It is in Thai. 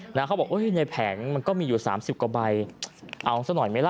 เขาก็บอกไว้ในแผงมันก็มีอยู่๓๐กว่าใบเอาสักหน่อยได้ไหมล่ะ